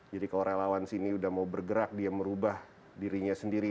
jadi kalau relawan sini sudah mau bergerak dia merubah dirinya sendiri